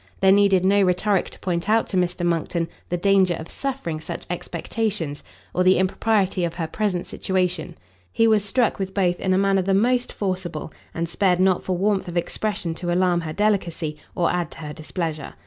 There needed no rhetoric to point out to Mr. Monckton the danger of suffering such expectations, or the impropriety of her present situation: he was struck with both in a manner the most forcible, and spared not for warmth of expression to alarm her delicacy, or add to her displeasure.